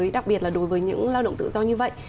đặc biệt là đối với những lao động tự do như vậy